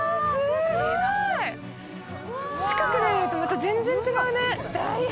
近くで見るとまた全然違うね。